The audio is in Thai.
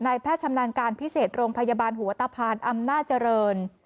แพทย์ชำนาญการพิเศษโรงพยาบาลหัวตะพานอำนาจเจริญ